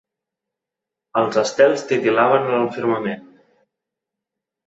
Els estels titil·laven en el firmament.